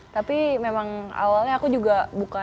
tapi memang awalnya aku juga bukan